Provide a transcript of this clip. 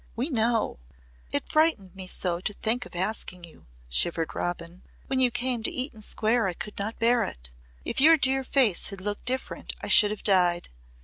We know!" "It frightened me so to think of asking you," shivered Robin. "When you came to Eaton Square I could not bear it. If your dear face had looked different I should have died.